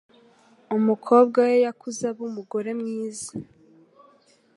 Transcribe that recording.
Umukobwa we yakuze aba umugore mwiza.